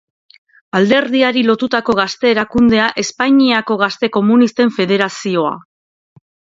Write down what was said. Alderdiari lotutako gazte-erakundea Espainiako Gazte Komunisten Federazioa.